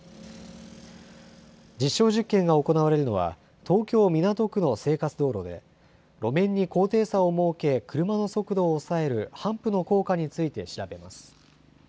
実証実験が行われるのは、東京・港区の生活道路で、路面に高低差を設け、車の速度を抑えるハンプの効果について調べます。